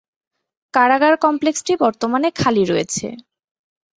কারাগার কমপ্লেক্সটি বর্তমানে খালি রয়েছে।